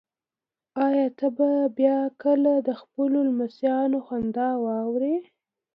ایا ته به بیا کله د خپلو لمسیانو خندا واورې؟